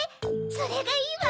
それがいいわ。